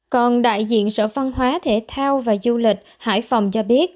còn đại diện sở văn hóa thể thao và du lịch hải phòng cho biết